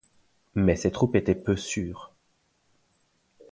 Mais ses troupes étaient peu sûres.